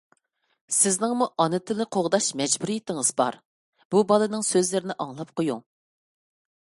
سىزنىڭمۇ ئانا تىلنى قوغداش مەجبۇرىيىتىڭىز بار. بۇ بالىنىڭ سۆزلىرىنى ئاڭلاپ قويۇڭ.